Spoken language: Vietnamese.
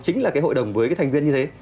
chính là cái hội đồng với cái thành viên như thế